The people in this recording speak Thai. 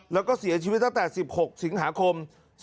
แล้วก็เสียชีวิตตั้งแต่๑๖สิงหาคม๒๕๖